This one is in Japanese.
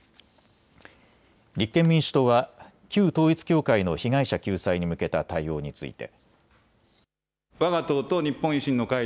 立憲民主党は旧統一教会の被害者救済に向けた対応について。